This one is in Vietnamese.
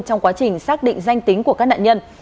trong quá trình xác định danh tính của các nạn nhân